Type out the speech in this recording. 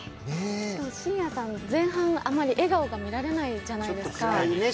信也さん、前半あんまり笑顔が見られないじゃないですか。